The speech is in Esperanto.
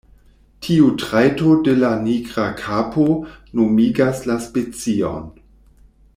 Tiu trajto de la nigra kapo nomigas la specion.